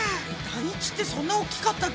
単一ってそんな大きかったっけ？